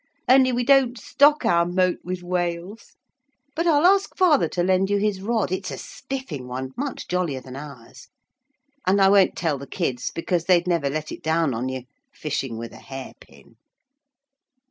Only we don't stock our moat with whales. But I'll ask father to lend you his rod, it's a spiffing one, much jollier than ours. And I won't tell the kids because they'd never let it down on you. Fishing with a hairpin!'